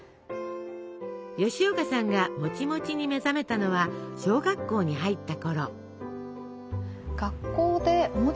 吉岡さんがもちもちに目覚めたのは小学校に入ったころ。